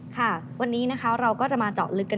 ค่ะวันนี้นะคะเราก็จะมาเจาะลึกกัน